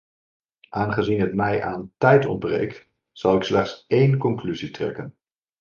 Aangezien het mij aan tijd ontbreekt, zal ik slechts één conclusie trekken.